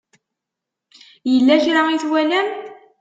Yella kra i twalam?